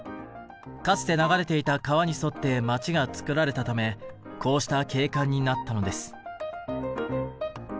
かつて流れていた川に沿って街がつくられたためこうした景観になったのです。